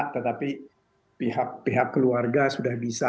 tetapi pihak pihak keluarga sudah bisa